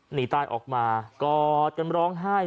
หนีตายออกมากอดกันร้องไห้